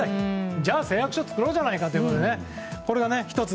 じゃあ誓約書を作ろうじゃないかということでこれが１つ。